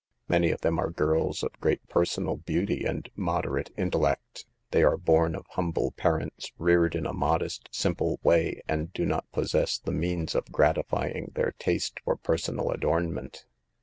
Many of them are girls of great personal beauty and moderate intellect. They are born of humble parents, reared in a modest, simple way, and do not possess the means of gratifying their taste for personal adornment.